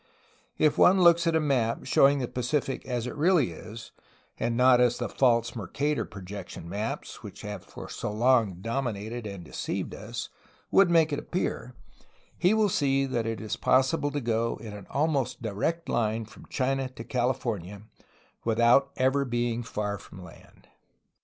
If one looks at a map showing the Pacific as it really is, and not as the false Mer cator projection maps (which have for so long dominated and deceived us) would make it appear, he will see that it is possible to go in an almost direct line from China to Cali fornia, without ever being far from land.